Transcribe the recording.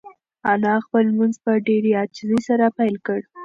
انا خپل لمونځ په ډېرې عاجزۍ سره پیل کړ.